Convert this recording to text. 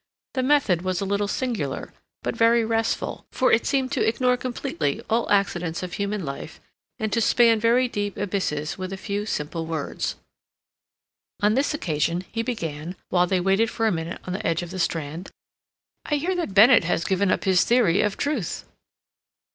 The method was a little singular, but very restful, for it seemed to ignore completely all accidents of human life, and to span very deep abysses with a few simple words. On this occasion he began, while they waited for a minute on the edge of the Strand: "I hear that Bennett has given up his theory of truth."